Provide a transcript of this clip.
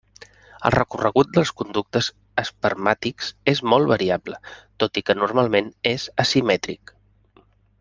El recorregut dels conductes espermàtics és molt variable, tot i que normalment és asimètric.